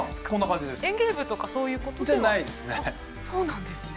園芸部とかそういうことでは。じゃないですね。